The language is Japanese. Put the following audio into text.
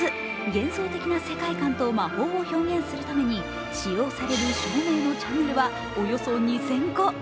幻想的な世界観と魔法を表現するために使用される照明のチャンネルはおよそ２０００個。